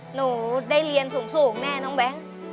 หนูได้เรียนสูงแน่น้องแบงค์